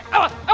ya ampun emang